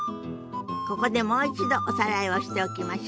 ここでもう一度おさらいをしておきましょ。